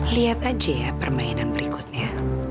lihat aja ya permainan berikutnya